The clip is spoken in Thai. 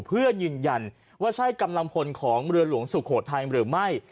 เพื่อยืนยันว่าใช่กำลังพลของเรือหลวงสุโขทัยหรือไม่